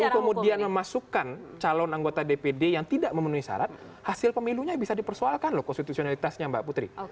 kalau kemudian memasukkan calon anggota dpd yang tidak memenuhi syarat hasil pemilunya bisa dipersoalkan loh konstitusionalitasnya mbak putri